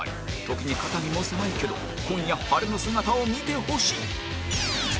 時に肩身も狭いけど今夜晴れの姿を見てほしい